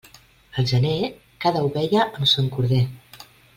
Al gener, cada ovella amb son corder.